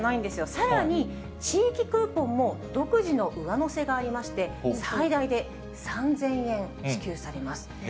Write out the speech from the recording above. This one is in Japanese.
さらに地域クーポンも独自の上乗せがありまして、最大で３０００円支給されます。